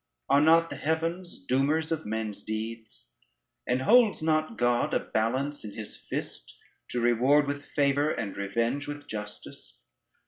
Are not the heavens doomers of men's deeds; and holds not God a balance in his fist, to reward with favor, and revenge with justice?